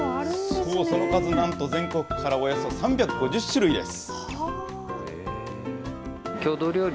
そうそう、その数なんと全国からおよそ３５０種類です。